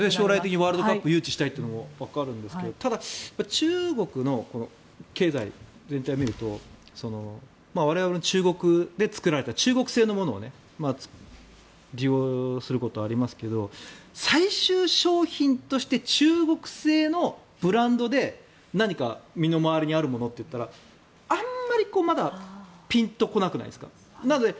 ワールドカップに誘致したいというのもわかるんですが中国の経済全体を見ると我々も中国で作られた中国製のものを利用することはありますが最終商品として中国製のブランドで何か身の回りにあるものといったらあんまりまだピンと来なくないですか？